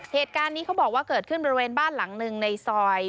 เหตุการณ์นี้เขาบอกว่าเกิดขึ้นบริเวณบ้านหลังหนึ่งในซอย